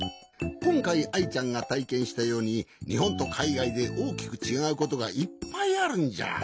こんかいアイちゃんがたいけんしたようににほんとかいがいでおおきくちがうことがいっぱいあるんじゃ。